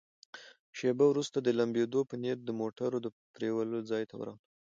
شیبه وروسته د لمبېدو په نیت د موټرونو د پرېولو ځای ته ورغلم.